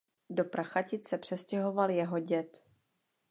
Do Prachatic se přestěhoval jeho děd.